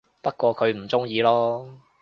不過佢唔鍾意囉